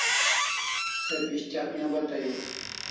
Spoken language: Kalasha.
Se pis'tyak ne bata ew